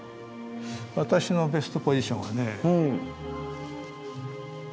私のベストポジションはね。